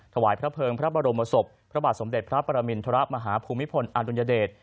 ถวายพระเภิงพระบรมศพพระบาทสมเด็จพระปรมินทรมาฮภูมิพลอดุลยเดช